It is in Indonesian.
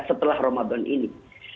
setelah ramadhan ini